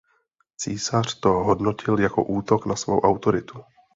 Císař to hodnotil jako útok na svou autoritu.